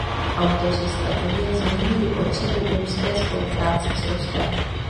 Autoři strategie zmínili potřebu úzké spolupráce s Ruskem.